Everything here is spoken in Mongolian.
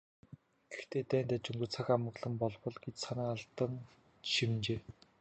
"Гэхдээ дайн дажингүй, цаг амгалан болбол" гэж санаа алдан шивнэжээ.